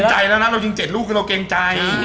ดีกว่ามันมีแค่นะเรายุ่ง๗รูปกับเครื่องเราเกรงใจ